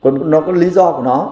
nó có lý do của nó